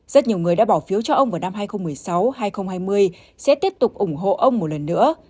rất nhiều người đã bỏ phiếu cho ông vào năm hai nghìn một mươi sáu hai nghìn hai mươi sẽ tiếp tục ủng hộ ông một lần nữa